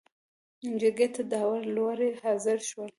جرګې ته داوړه لورې حاضر شول.